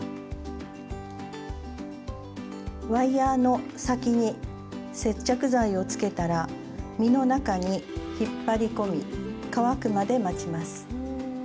ワイヤーの先に接着剤をつけたら実の中に引っ張り込み乾くまで待ちます。